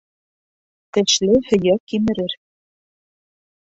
Тешле һөйәк кимерер